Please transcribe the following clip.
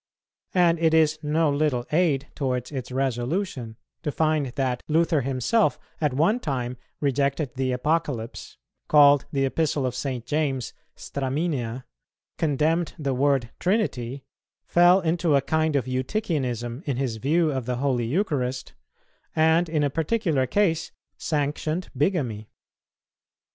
And it is no little aid towards its resolution to find that Luther himself at one time rejected the Apocalypse, called the Epistle of St. James "straminea," condemned the word "Trinity," fell into a kind of Eutychianism in his view of the Holy Eucharist, and in a particular case sanctioned bigamy.